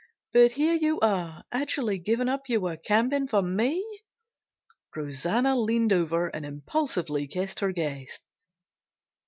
But here you are actually giving up your camping for me." Rosanna leaned over and impulsively kissed her guest.